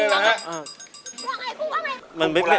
ว่าไงกุ้งเอาไง